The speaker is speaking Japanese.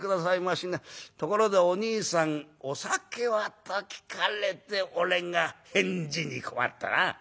ところでおにいさんお酒は？』と聞かれてこれが返事に困ったな」。